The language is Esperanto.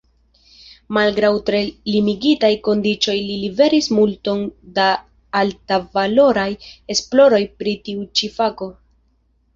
Malgraŭ tre limigitaj kondiĉoj li liveris multon da altvaloraj esploroj pri tiu ĉi fako.